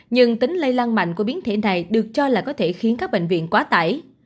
nhưng tính lây lan mạnh của biến thể này được cho là có thể khiến các bệnh viện quá tải